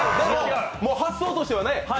発想としてはね。